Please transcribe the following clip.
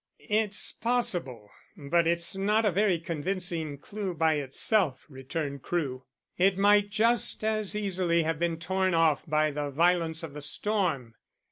"It's possible, but it's not a very convincing clue by itself," returned Crewe. "It might just as easily have been torn off by the violence of the storm.